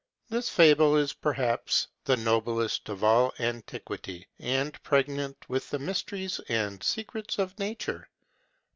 This fable is perhaps the noblest of all antiquity, and pregnant with the mysteries and secrets of nature.